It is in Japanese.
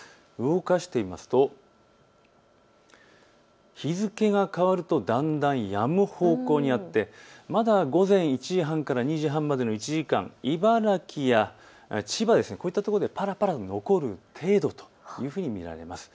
動かしてみると、日付が変わるとだんだんやむ方向になってまだ午前１時半から２時半までの１時間は茨城や千葉、こういったところでぱらぱら残る程度と見られます。